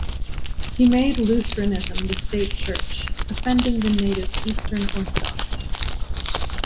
He made Lutheranism the state Church, offending the native Eastern Orthodox.